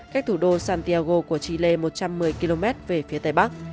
cách thủ đô santiago của chile một trăm một mươi km về phía tây bắc